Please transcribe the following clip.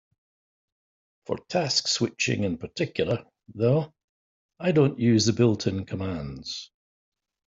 For task switching in particular, though, I don't use the built-in commands.